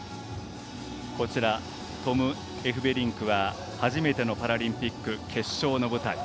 トム・エフベリンクは初めてのパラリンピック決勝の舞台。